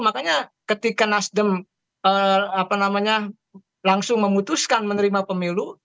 makanya ketika nasdem langsung memutuskan menerima pemilu